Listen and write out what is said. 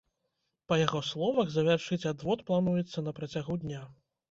Па яго словах, завяршыць адвод плануецца на працягу дня.